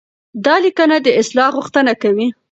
دا ليکنه د اصلاح غوښتنه کوي.